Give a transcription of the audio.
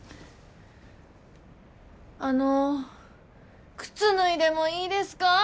あの靴脱いでもいいですか？